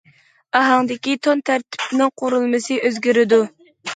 ئاھاڭدىكى تون تەرتىپىنىڭ قۇرۇلمىسى ئۆزگىرىدۇ.